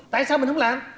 tại sao mình không làm